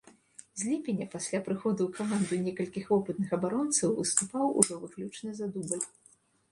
З ліпеня, пасля прыходу ў каманду некалькіх вопытных абаронцаў, выступаў ужо выключна за дубль.